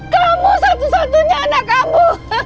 kamu satu satunya anak kamu